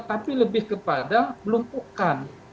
tapi lebih kepada melukukan